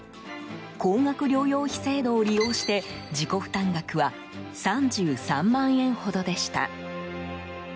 高額療養費制度を利用して自己負担額は３３万円ほどでした。